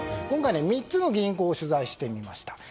今回３つの銀行を取材してみました。